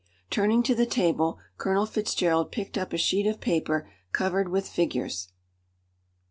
Turning to the table, Colonel Fitzgerald picked up a sheet of paper covered with figures.